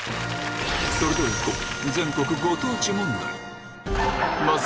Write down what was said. それではいこう！